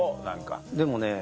でもね